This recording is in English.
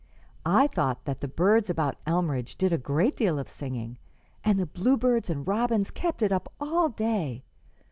"I thought that the birds about Elmridge did a great deal of singing, and the blue birds and robins kept it up all day.